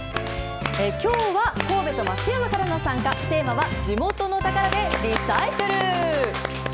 きょうは神戸と松山からの参加、テーマは、地元の宝でリサイクル。